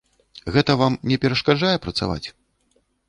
Гэта вам не перашкаджае працаваць?